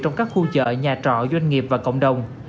trong các khu chợ nhà trọ doanh nghiệp và cộng đồng